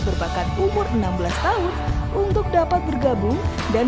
berbakan umur enam belas tahun untuk dapat bergabung dan